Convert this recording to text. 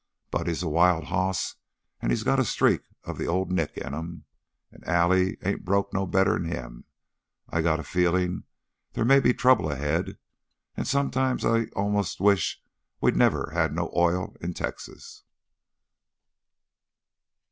Buddy's a wild hoss and he's got a streak of the Old Nick in him. And Allie ain't broke no better 'n him. I got a feelin' there may be trouble ahead, an' sometimes I 'most wish we'd never had no oil in Texas."